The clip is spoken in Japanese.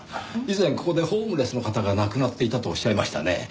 以前ここでホームレスの方が亡くなっていたとおっしゃいましたねぇ。